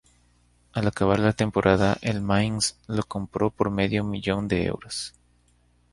Al acabar la temporada, el Mainz lo compró por medio millón de euros.